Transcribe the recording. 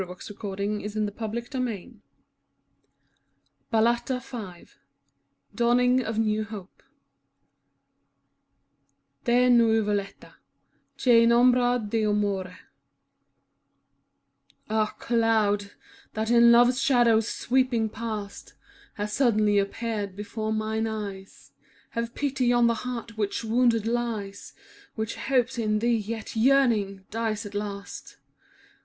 12 Comp. S. xvii. 7. 57 CANZONIERE BALLATA V ^o^^y j DAWNING OF NEW HOPE Dth Nuvoletta, cht in ombra tT Amore Ah Cloud, that, in Love's shadow sweeping past, Hast suddenly appeared before mine eyes. Have pity on the heart which wounded lies. Which hopes in thee, yet, yearning, dies at last.